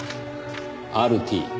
「ＲＴ」